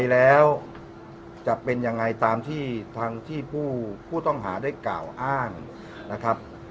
อ๋อขออนุญาตเป็นในเรื่องของการสอบสวนปากคำแพทย์ผู้ที่เกี่ยวข้องให้ชัดแจ้งอีกครั้งหนึ่งนะครับ